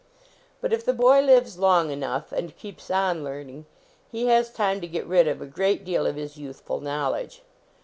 But, if the boy lives long enough, and keeps on learning, he has time to get rid of a great deal of his youthful knowledge.